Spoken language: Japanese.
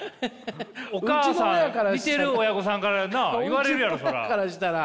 お母さん見てる親御さんからな言われるやろそりゃ。